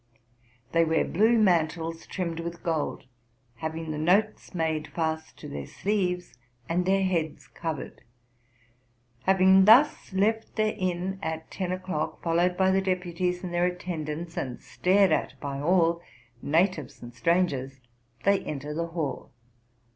They wear blue mantles trimmed with gold, having the notes made fast to their sleeves, and their heads covered. Having thus left their inn at ten o'clock, 22 TRUTH AND FICTION followed by the deputies and their attendants, and stared at by all, natives and strangers, they enter the hall.